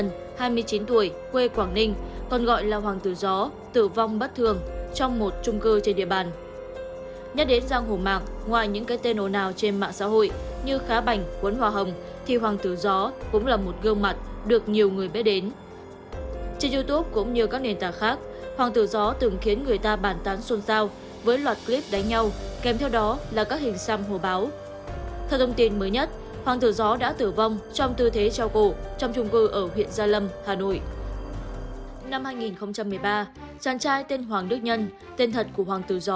năm hai nghìn một mươi ba chàng trai tên hoàng đức nhân tên thật của hoàng tử gió sinh năm một nghìn chín trăm chín mươi hai ở quảng ninh